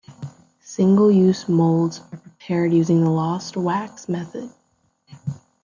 Single use molds are prepared using the lost wax method.